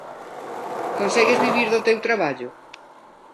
Consegues vivir do teu traballo?